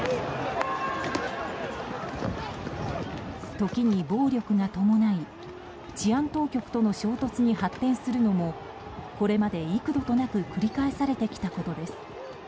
時に暴力が伴い治安当局との衝突に発展するのもこれまで幾度となく繰り返されてきたことです。